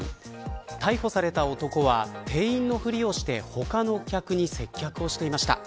逮捕された男は店員のふりをして他の客に接客をしていました。